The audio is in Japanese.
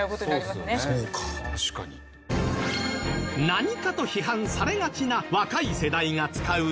何かと批判されがちな若い世代が使う日本語